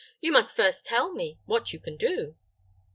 "You must first tell me what you can do."